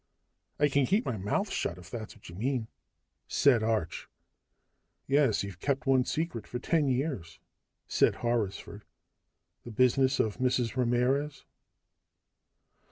"I can keep my mouth shut, if that's what you mean," said Arch. "Yes. You kept one secret for ten years," said Horrisford. "The business of Mrs. Ramirez."